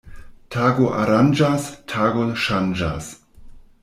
Tago aranĝas, tago ŝanĝas.